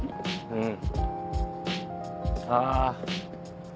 うん。